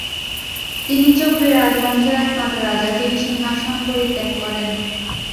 তিনি চক্রী রাজবংশের একমাত্র রাজা যিনি সিংহাসন পরিত্যাগ করেন।